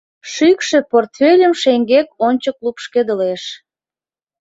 Шӱкшӧ портфельым шеҥгек-ончык лупшкедылеш.